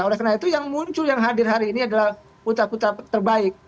oleh karena itu yang muncul yang hadir hari ini adalah putra putra terbaik